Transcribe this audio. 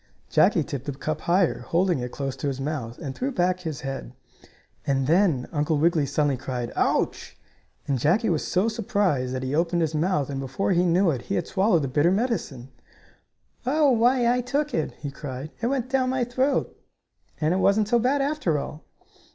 Jackie tipped the cup higher, holding it close to his mouth, and threw back his head, and then Uncle Wiggily suddenly cried: "Ouch!" And Jackie was so surprised that he opened his mouth and before he knew it he had swallowed the bitter medicine! [Illustration: Jackie was so surprised that he opened his mouth.] "Oh, why I took it!" he cried. "It went down my throat! And it wasn't so bad, after all."